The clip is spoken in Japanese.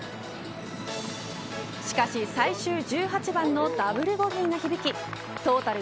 しかし最終１８番のダブルボギーが響きトータル